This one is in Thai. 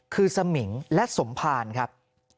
คือสมิงและสมภารครับ